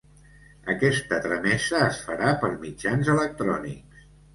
Aquesta tramesa es farà per mitjans electrònics.